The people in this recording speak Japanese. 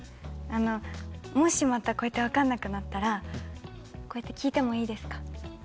あのもしまたこうやって分かんなくなったらこうやって聞いてもいいですか？